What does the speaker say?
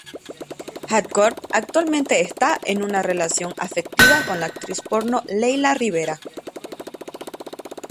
Hardcore actualmente está en una relación afectiva con la actriz porno Layla Rivera.